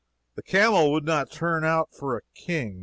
The camel would not turn out for a king.